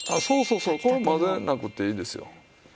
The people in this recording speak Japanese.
そうそうそうこれ混ぜなくていいですよ。